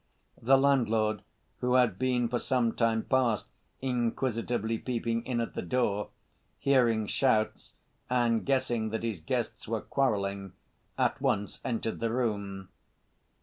The landlord, who had been for some time past inquisitively peeping in at the door, hearing shouts and guessing that his guests were quarreling, at once entered the room.